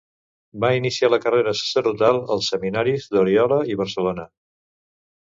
Va iniciar la carrera sacerdotal als seminaris d'Oriola i Barcelona.